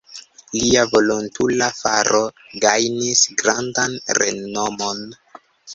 Lia volontula faro gajnis grandan renomon.